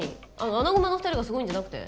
アナグマの２人がすごいんじゃなくて？